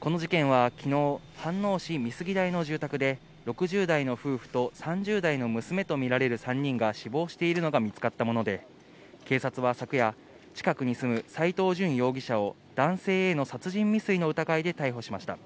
この事件は昨日、飯能市美杉台の住宅で６０代の夫婦と３０代の娘とみられる３人が死亡しているのが見つかったもので、警察は昨夜、近くに住む斎藤淳容疑者を男性への殺人未遂の疑いで逮捕しました。